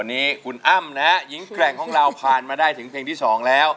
วันนี้คุณอ้ำนะฮะหญิงแกร่งของเราผ่านมาได้ถึงเพลงที่๒แล้ว